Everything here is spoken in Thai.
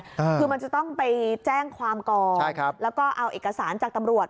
คือมันจะต้องไปแจ้งความก่อนใช่ครับแล้วก็เอาเอกสารจากตำรวจ